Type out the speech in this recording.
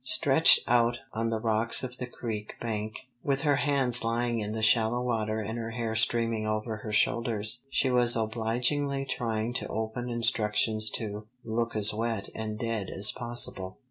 Stretched out on the rocks of the creek bank, with her hands lying in the shallow water and her hair streaming over her shoulders, she was obligingly trying to obey instructions to "look as wet and dead as possible."